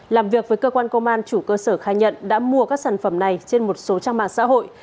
làm việc với cơ quan công an chủ cơ sở khai nhận đã mua các sản phẩm này trên một số trang mạng xã hội